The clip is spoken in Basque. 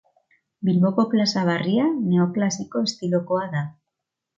Bilboko Plaza Barria neoklasiko estilokoa da.